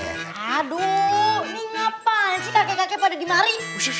aduh ini ngapain sih kakek kakek pada dimari